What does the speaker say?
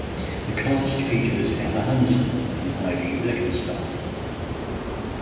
The cast features Emma Hunton and Heidi Blickenstaff.